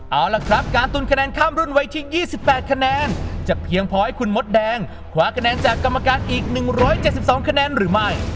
เอาล่ะครับการตุนคะแนนข้ามรุ่นไว้ที่๒๘คะแนนจะเพียงพอให้คุณมดแดงคว้าคะแนนจากกรรมการอีก๑๗๒คะแนนหรือไม่